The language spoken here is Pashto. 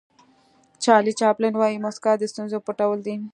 چارلي چاپلین وایي موسکا د ستونزو پټول دي.